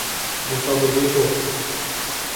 مسابقهی بوکس